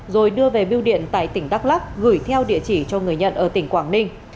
rồi đưa về biêu điện tại tỉnh đắk lắc gửi theo địa chỉ cho người nhận ở tỉnh quảng ninh